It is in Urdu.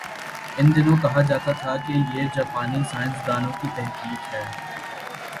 ان دنوں کہا جاتا تھا کہ یہ جاپانی سائنس دانوں کی تحقیق ہے۔